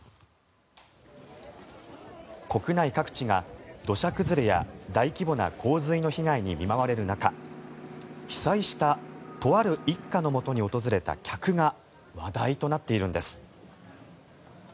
国内各地が土砂崩れや大規模な洪水の被害に見舞われる中被災したとある一家のもとに訪れた客が話題となっているんです。